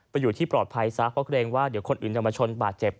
อยู่ที่ปลอดภัยซะเพราะเกรงว่าเดี๋ยวคนอื่นจะมาชนบาดเจ็บ